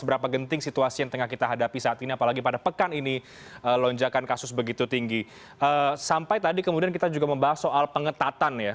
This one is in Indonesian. regaksinya sebegitu tinggi sampai tadi kemudian kita juga membahas soal pengetatan ya